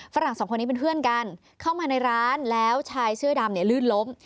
ฝรั่งสองคนนี้เป็นเพื่อนกันเข้ามาในร้านแล้วชายเสื้อดำเนี่ยลื่นล้ม